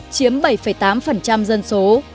chiếm bảy tám dân số